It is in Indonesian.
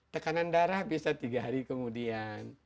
tekanan darah bisa tiga hari kemudian